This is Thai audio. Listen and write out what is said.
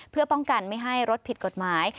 เพื่อป้องกันไม่ให้รถผิดกฎหมาย